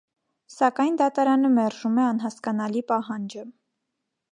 Սակայն դատարանը մերժում է անհասկանալի պահանջը։